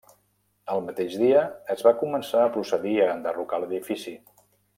El mateix dia es va començar a procedir a enderrocar l'edifici.